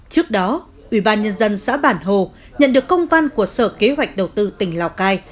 trước đó ủy ban nhân dân xã bản hồ nhận được công văn của sở kế hoạch đầu tư tỉnh lào cai